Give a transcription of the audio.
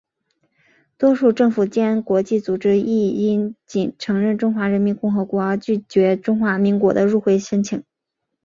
多数政府间国际组织亦因仅承认中华人民共和国而拒绝中华民国的入会申请。